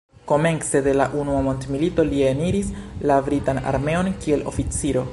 Komence de la unua mondmilito li eniris la britan armeon kiel oficiro.